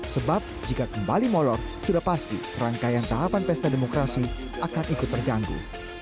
sebab jika kembali molor sudah pasti rangkaian tahapan pesta demokrasi akan ikut terganggu